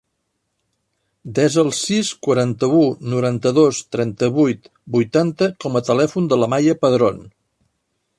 Desa el sis, quaranta-u, noranta-dos, trenta-vuit, vuitanta com a telèfon de la Maia Padron.